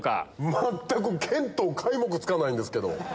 全く見当皆目つかないんですけど。